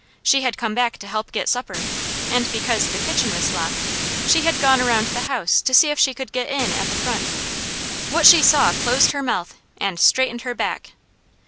She had come back to help get supper, and because the kitchen was locked, she had gone around the house to see if she could get in at the front. What she saw closed her mouth, and straightened her back.